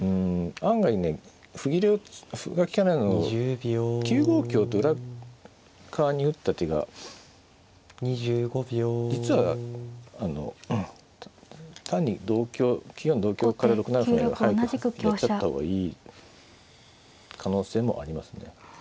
案外ね歩切れ歩が利かないの９五香と裏っ側に打った手が実は単に９四同香から６七歩成は早くやっちゃった方がいい可能性もありますね。